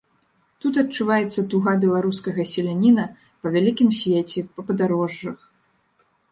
Тут адчуваецца туга беларускага селяніна па вялікім свеце, па падарожжах.